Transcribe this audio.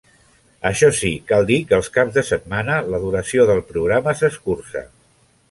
Això sí, cal dir que els caps de setmana la duració del programa s'escurça.